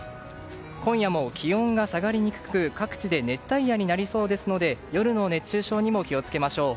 今夜も気温が下がりにくく各地で熱帯夜になりそうですので夜の熱中症にも気を付けましょう。